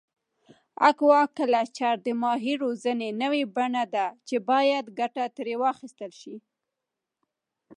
اکواکلچر د ماهي روزنې نوی بڼه ده چې باید ګټه ترې واخیستل شي.